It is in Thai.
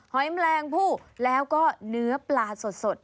อยแมลงผู้แล้วก็เนื้อปลาสด